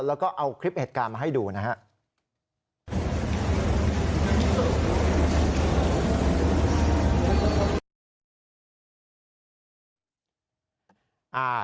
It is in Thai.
แล้วก็เอาคลิปเหตุการณ์มาให้ดูนะครับ